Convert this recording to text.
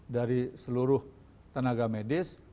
dari seluruh tenaga medis